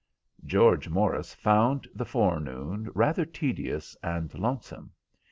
George Morris found the forenoon rather tedious and lonesome.